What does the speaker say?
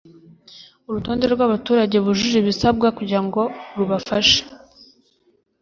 urutonde rw abaturage bujuje ibisabwa kugira ngo rubafashe